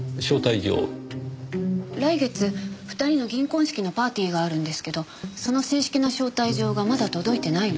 来月２人の銀婚式のパーティーがあるんですけどその正式な招待状がまだ届いてないの。